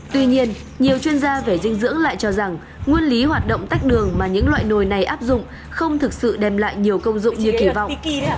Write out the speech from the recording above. tuy nhiên nhiều chuyên gia về dinh dưỡng lại cho rằng nguyên lý hoạt động tách đường mà những loại nồi này áp dụng không thực sự đem lại nhiều công dụng như kỳ vọng